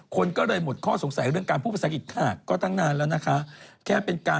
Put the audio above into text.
คนก็เลยหมดข้อสงสัยเรื่องการพูดภาษาอังกฤษค่ะ